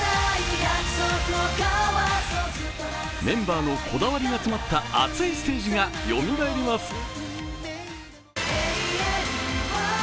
メンバーのこだわりが詰まった熱いステージがよみがえります。